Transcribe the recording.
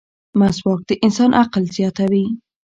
مسواک د انسان عقل زیاتوي.